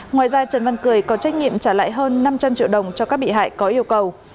ngoài ra trần văn cười có trách nhiệm trả lại hơn năm trăm linh triệu đồng cho các bị hại có yêu cầu